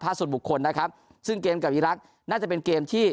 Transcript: สุดบุคคลนะครับซึ่งเกมกับอีรักษ์น่าจะเป็นเกมที่